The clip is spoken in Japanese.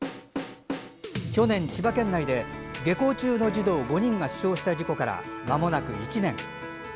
去年、千葉県内で下校中の児童５人が死傷した事故からまもなく１年。